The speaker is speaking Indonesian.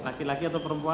laki laki atau perempuan